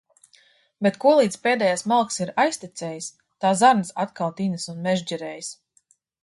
Bet kolīdz pēdējais malks ir aiztecējis, tā zarnas atkal tinas un mežģerējas.